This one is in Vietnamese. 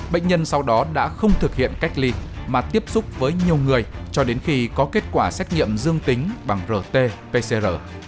bệnh nhân sau đó đã không thực hiện cách ly mà tiếp xúc với nhiều người cho đến khi có kết quả xét nghiệm dương tính bằng rt pcr